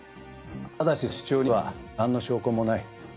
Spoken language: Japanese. ただしその主張にはなんの証拠もない。